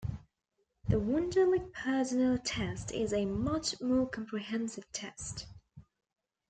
The Wonderlic Personnel Test is a much more comprehensive test.